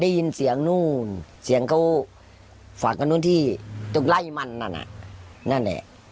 ได้ยินเสียงนู่นเสียงเขาฝากกันนู่นที่ตรงไล่มันนั่นน่ะนั่นแหละ